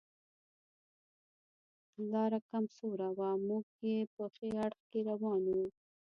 لاره کم سوره وه، موږ یې په ښي اړخ کې روان و.